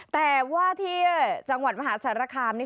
แต่ว่าที่จังหวัดมหาสารคามนี่